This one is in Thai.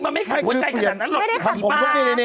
มันไม่ได้มาทุกวันหนุ่ม